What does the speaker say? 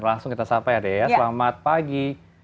langsung kita sampaikan ya selamat pagi